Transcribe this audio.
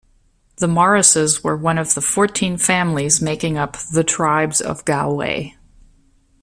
The Morrises were one of the fourteen families making up 'the Tribes of Galway'.